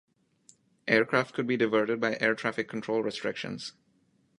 Aircraft could be diverted by air-traffic control restrictions.